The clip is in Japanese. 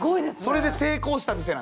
それで成功した店なんじゃない？